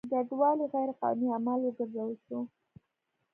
کډوالي غیر قانوني عمل وګرځول شو.